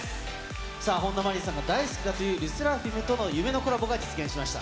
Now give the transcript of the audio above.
さあ、本田真凜さんが大好きだというＬＥＳＳＥＲＡＦＩＭとの夢のコラボが実現しました。